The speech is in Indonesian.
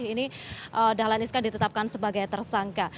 ini dahlan iskan ditetapkan sebagai tersangka